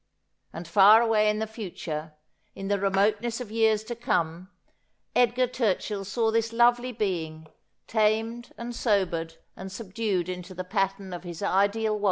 And far away in the future, in the remoteness of years to come, Edgar Turchill saw this lovely being, tamed and sobered and subdued into the pattern of his ideal 80 Asjjhodel.